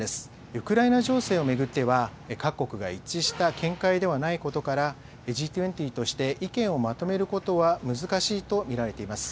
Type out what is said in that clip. ウクライナ情勢を巡っては、各国が一致した見解ではないことから、Ｇ２０として意見をまとめることは難しいと見られています。